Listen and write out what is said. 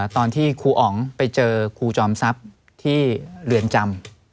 ครูอ๋องไปเจอครูจอมทรัพย์ที่เรือนจำ